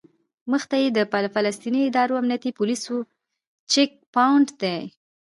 مخې ته یې د فلسطیني ادارې امنیتي پولیسو چیک پواینټ دی.